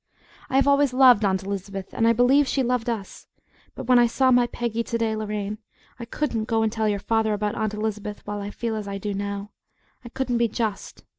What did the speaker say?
I have always loved Aunt Elizabeth, and I believed she loved us but when I saw my Peggy to day, Lorraine, I couldn't go and tell your father about Aunt Elizabeth while I feel as I do now! I couldn't be just.